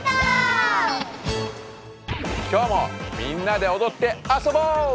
今日もみんなでおどってあそぼう！